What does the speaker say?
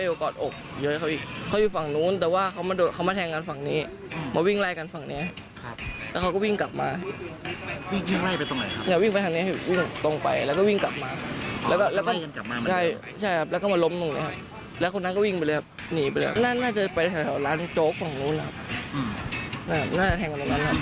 แล้วเขาก็วิ่งกลับมาล้มลง